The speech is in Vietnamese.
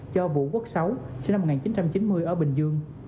cho vũ quốc sáu sinh năm một nghìn chín trăm chín mươi ở bình dương